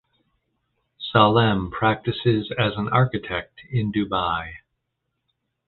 Salem practices as an architect in Dubai.